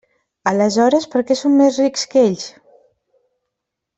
Aleshores, ¿per què som més rics que ells?